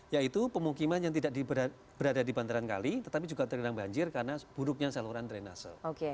yaitu pemukiman yang tidak berada di bantaran kali tetapi juga terendam banjir karena buruknya saluran drenase